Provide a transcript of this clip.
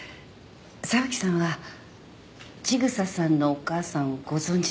沢木さんは千草さんのお母さんをご存じではないんですか？